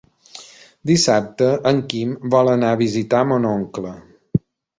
Dissabte en Quim vol anar a visitar mon oncle.